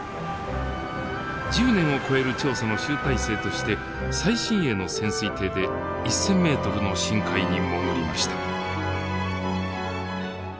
１０年を超える調査の集大成として最新鋭の潜水艇で１，０００メートルの深海に潜りました。